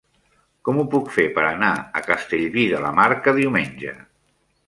Com ho puc fer per anar a Castellví de la Marca diumenge?